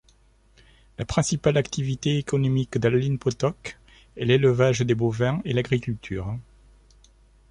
La principale activité économique d'Alin Potok et l'élevage des bovins et l'agriculture.